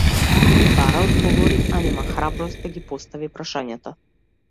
Бара одговори, а нема храброст да ги постави прашањата.